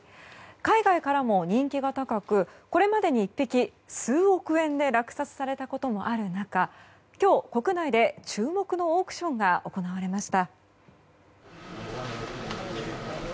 海外からも人気が高くこれまでに、１匹数億円で落札されたこともある中今日、国内で注目のオークションが行われました。